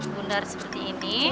gondar seperti ini